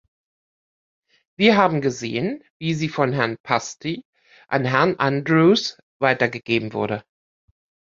Wir haben gesehen, wie sie von Herrn Pasty an Herrn Andrews weitergegeben wurde.